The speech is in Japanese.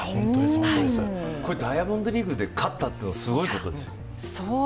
ダイヤモンドリーグで勝ったということはすごいことです。